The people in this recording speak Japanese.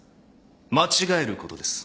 間違えることです。